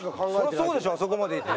そりゃそうでしょあそこまでいって。